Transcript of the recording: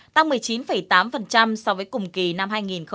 tăng một mươi chín tám so với cùng kỳ năm hai nghìn một mươi tám